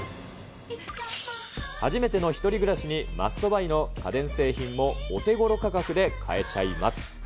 初めての１人暮らしにマストバイの家電製品もお手ごろ価格で買えちゃいます。